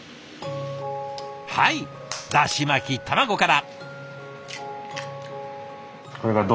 はいだし巻き卵から。